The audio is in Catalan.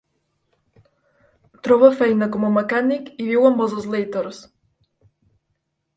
Troba feina com a mecànic i viu amb els Slaters.